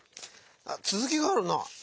つづきがあるな。